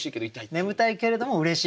眠たいけれどもうれしい。